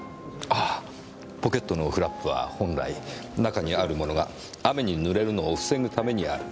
あぁポケットのフラップは本来中にあるものが雨に濡れるのを防ぐためにある。